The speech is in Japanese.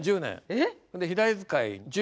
えっ！？